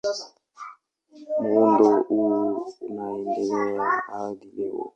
Muundo huu unaendelea hadi leo.